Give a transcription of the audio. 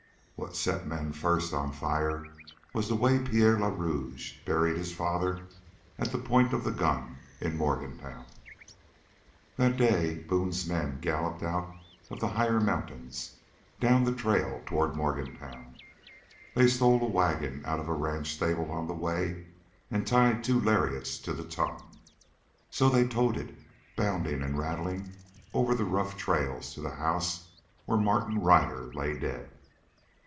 What set men first on fire was the way Pierre le Rouge buried his father "at the point of the gun" in Morgantown. That day Boone's men galloped out of the higher mountains down the trail toward Morgantown. They stole a wagon out of a ranch stable on the way and tied two lariats to the tongue. So they towed it, bounding and rattling, over the rough trail to the house where Martin Ryder lay dead.